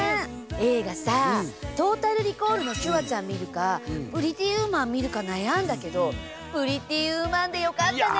映画さ「トータル・リコール」のシュワちゃん見るか「プリティ・ウーマン」見るか悩んだけど「プリティ・ウーマン」でよかったね！